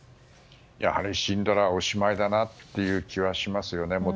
やはり死んだらおしまいだなという気はしますよね。